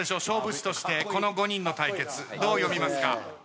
勝負師としてこの５人の対決どう読みますか？